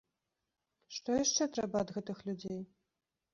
Што яшчэ трэба ад гэтых людзей?